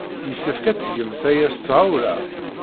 Yessefk ad tgemt aya s tɣawla.